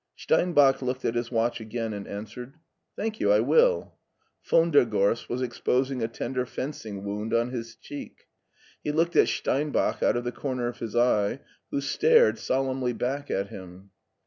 Steinbach looked at his watch again, and answered, " Thank you, I will.*' Von der Gorst was exposing a tender fencing wound on his cheek; he looked at Steinbach out of the comer of his eye, who stared^ solemnly back at him.